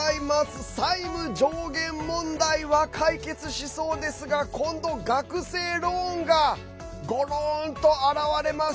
国の債務上限問題は解決しそうですが今度、学生ローンがゴローンと現れます！